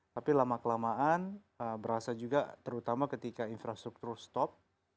tapi lama kelamaan berasa juga terutama ketika infrastruktur stop